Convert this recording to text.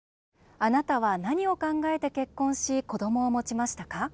あなたは何を考えて結婚し子どもを持ちましたか？